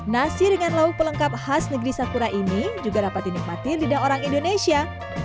nasi dengan lauk pelengkap khas negeri sakura ini juga dapat dinikmati lidah orang indonesia